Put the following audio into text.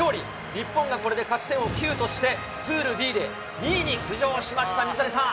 日本がこれで勝ち点を９として、プールＤで２位に浮上しました、水谷さん。